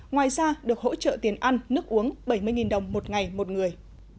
ngoài ra được hỗ trợ tiền ăn nước uống bảy mươi đồng một ngày một người